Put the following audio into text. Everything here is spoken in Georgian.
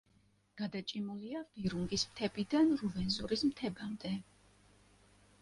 გადაჭიმულია ვირუნგის მთებიდან რუვენზორის მთებამდე.